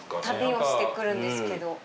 旅をしてくるんですけど。